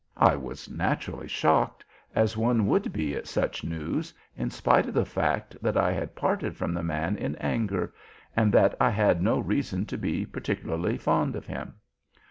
I was naturally shocked, as one would be at such news, in spite of the fact that I had parted from the man in anger, and that I had no reason to be particularly fond of him.